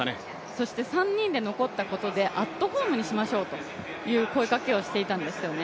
そして３人ので残ったことでアットホームにしましょうという声かけをしていたんですよね。